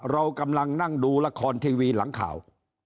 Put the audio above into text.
เรากำลังนั่งดูละครทีวีหลังข่าว